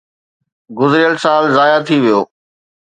گذريل سال ضايع ٿي ويو.